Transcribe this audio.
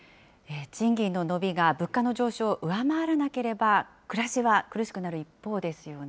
賃金の伸びが物価の上昇を上回らなければ、暮らしは苦しくなる一